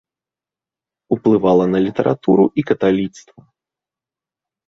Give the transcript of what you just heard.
Уплывала на літаратуру і каталіцтва.